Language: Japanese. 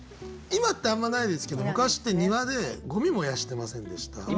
今ってあんまないですけど昔って庭でゴミ燃やしてませんでした？